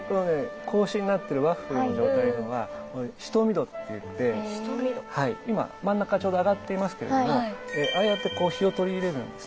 格子になってるワッフルの状態のは「蔀戸」って言って今真ん中ちょうど上がっていますけれどもああやってこう日を取り入れるんですね。